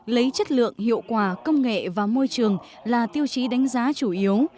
lấy chất lượng hiệu quả công nghệ và môi trường là tiêu chí đánh giá chủ yếu